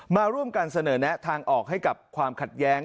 มาร่วมกันเสนอแนะทางออกให้กับความขัดแย้ง